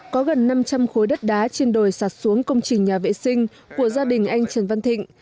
có gần năm trăm linh khối đất đá trên đồi sạt xuống công trình nhà vệ sinh của gia đình anh trần văn thịnh